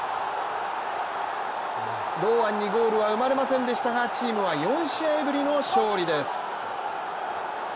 堂安にゴールは生まれませんでしたがチームは４試合ぶりの勝利です